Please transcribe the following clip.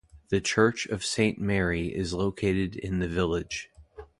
The Church of Saint Mary is located in the village.